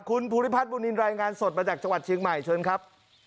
คุณภูริพัฒนบุญนินรายงานสดมาจากจังหวัดเชียงใหม่เชิญครับ